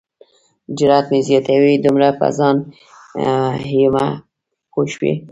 جرات مې زیاتوي دومره په ځان یمه پوه شوی.